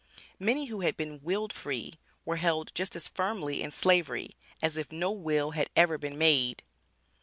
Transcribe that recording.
Many who had been willed free, were held just as firmly in Slavery, as if no will had ever been made.